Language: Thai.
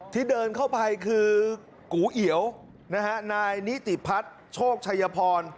ที่เดินเข้าไปคือกูเอียวนะฮะนายนิติพัฒน์โชคชัยพร